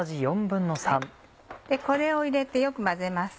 これを入れてよく混ぜます。